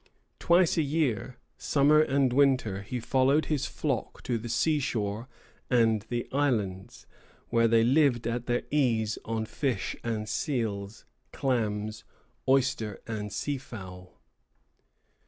Twice a year, summer and winter, he followed his flock to the sea shore and the islands, where they lived at their ease on fish and seals, clams, oysters, and seafowl.